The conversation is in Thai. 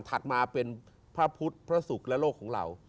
ถัดมาเป็นพระพุทธพระศุกร์และโลกของเรา